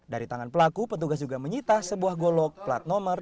dari tangan pelaku petugas juga menyita sebuah golok plat nomor